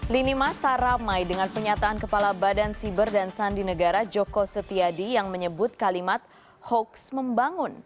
lini masa ramai dengan penyataan kepala badan siber dan sandi negara joko setiadi yang menyebut kalimat hoax membangun